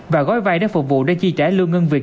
và gói vai đã phục vụ để chi trả lương ngân việc